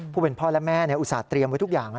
ผู้เป็นพ่อและแม่อุตส่าหเรียมไว้ทุกอย่าง